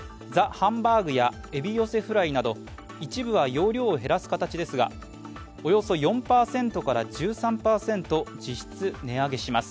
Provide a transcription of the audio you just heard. ハンバーグやエビ寄せフライなど一部は容量を減らす形ですがおよそ４％から１３％実質、値上げします。